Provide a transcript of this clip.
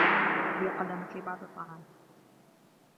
هي قدمت لي بعض الطعام.